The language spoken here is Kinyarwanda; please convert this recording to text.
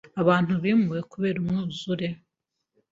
Abantu bimuwe kubera umwuzure.